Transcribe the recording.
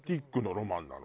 オマンなの？